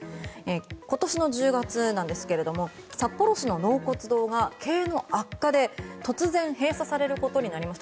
今年の１０月なんですが札幌市の納骨堂が経営の悪化で突然閉鎖されることになりました。